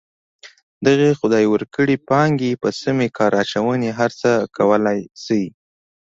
دغې خدای ورکړې پانګې په سمې کار اچونې هر څه کولی شي.